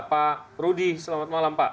pak rudi selamat malam pak